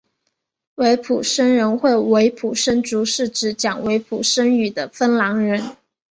维普森人或维普森族是指讲维普森语的芬兰人。